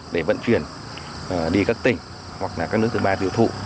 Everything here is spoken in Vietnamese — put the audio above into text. để vận chuyển đi các tỉnh hoặc là các nước thứ ba tiêu thụ